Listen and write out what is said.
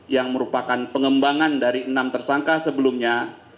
yang merupakan pengembangan dari enam tersangka sebelumnya